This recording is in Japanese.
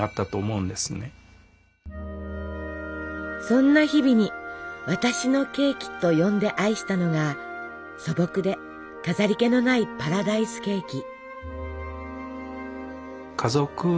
そんな日々に「私のケーキ」と呼んで愛したのが素朴で飾り気のないパラダイスケーキ。